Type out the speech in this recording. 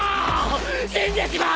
死んでしまう！